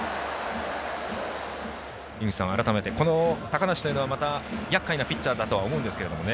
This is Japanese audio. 井口さん、改めて高梨というのはやっかいなピッチャーだとは思うんですけどね。